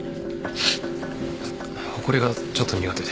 ほこりがちょっと苦手で。